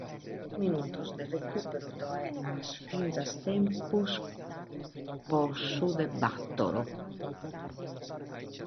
In is minutos de recùperu ddoe at fintzas tempus pro su de cuatru.